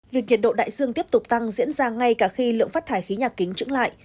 việc nhiệt độ đại dương tiếp tục tăng diễn ra ngay cả khi lượng phát thải khí nhà kính trứng lại